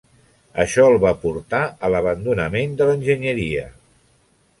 Això el va portar a l'abandonament de l'enginyeria.